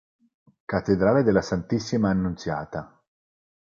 Cattedrale della Santissima Annunziata